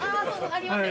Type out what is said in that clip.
ありますよ